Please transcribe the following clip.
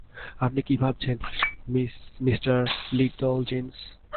আপনি কি ভেবেছিলেন, মিঃ লিটলজিন্স?